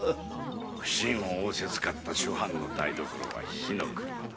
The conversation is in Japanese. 普請を仰せつかった諸藩の台所は火の車だ。